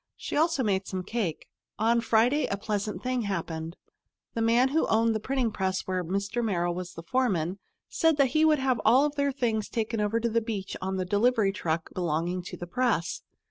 She also made some cake. On Friday a pleasant thing happened. The man who owned the printing press where Mr. Merrill was foreman, said that he would have all their things taken over to the beach in the delivery truck belonging to the press.